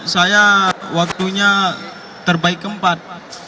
saya waktunya terbaik keempat